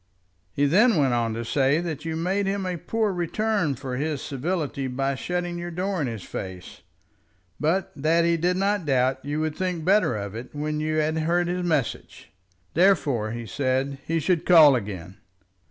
"He then went on to say that you made him a poor return for his civility by shutting your door in his face, but that he did not doubt you would think better of it when you had heard his message. Therefore, he said, he should call again.